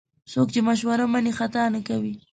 څوک چې مشوره مني، خطا نه کوي.